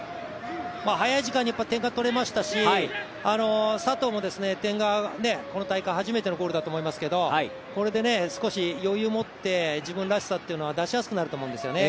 早い時間に点がとれましたし佐藤も点が、この大会初めてのゴールだと思いますけどこれで少し余裕を持って自分らしさというのを出しやすくなると思うんですよね。